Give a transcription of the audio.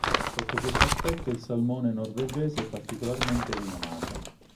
Sotto questo aspetto il salmone norvegese è particolarmente rinomato.